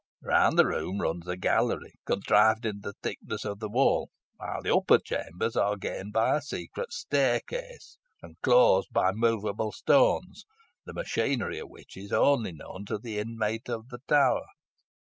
Round the room runs a gallery contrived in the thickness of the walls, while the upper chambers are gained by a secret staircase, and closed by movable stones, the machinery of which is only known to the inmate of the tower.